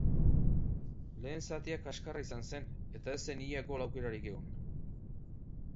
Lehen zatia kaskarra izan zen eta ez zen ia gol aukerarik egon.